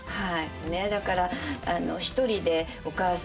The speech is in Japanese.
だから。